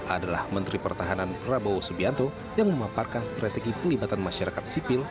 adalah menteri pertahanan prabowo subianto yang memaparkan strategi pelibatan masyarakat sipil